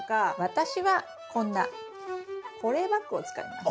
私はこんな保冷バッグを使います。